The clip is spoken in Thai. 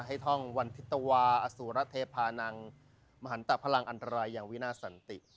ท่องวันทิตวาอสุรเทพานังมหันตะพลังอันตรายอย่างวินาสันติ